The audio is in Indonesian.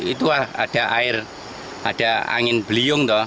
itu ada air ada angin beliung dong